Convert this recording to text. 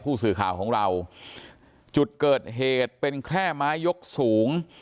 ผู้สื่อข่าวของเราจุดเกิดเหตุเป็นแค่ไม้ยกสูง